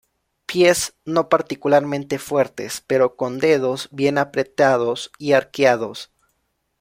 Pies no particularmente fuertes, pero con dedos bien apretados y arqueados.